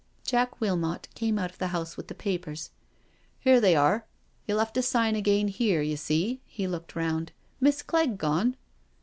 Jack Wilmot came out of the house with the papers. " Here they are — you'll have to sign again here, you see?"— he looked round— " Miss Clegg gone?'